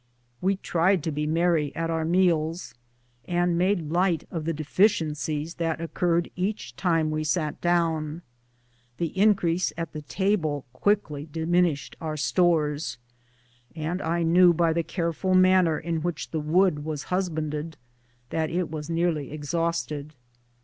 We tried to be merry at our meals, and made light of the deficiencies that occurred each time we sat down. The increase at the table quickly diminished our stores, and I knew by the careful manner in which the wood was husbanded that it was nearly exhausted.